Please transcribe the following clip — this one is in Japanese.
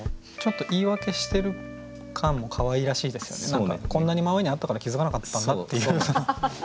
だからこんなに真上にあったから気づかなかったんだっていう。